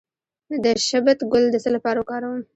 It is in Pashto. د شبت ګل د څه لپاره وکاروم؟